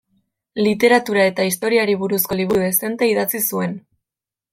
Literatura eta historiari buruzko liburu dezente idatzi zuen.